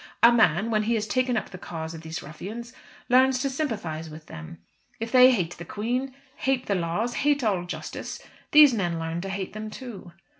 A man, when he has taken up the cause of these ruffians, learns to sympathise with them. If they hate the Queen, hate the laws, hate all justice, these men learn to hate them too.